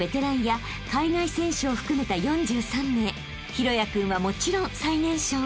［大也君はもちろん最年少］